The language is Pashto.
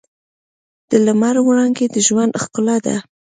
د لمر وړانګې د ژوند ښکلا ده.